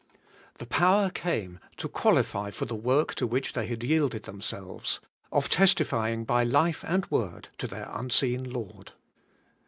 The power came to qualify for the work to which they had yielded themselves — of testifying by life and word to their unseen Lord.